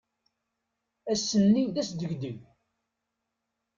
Ass-nni d asdegdeg.